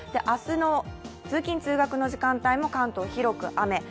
明日の通勤・通学の時間帯も関東、広く雨。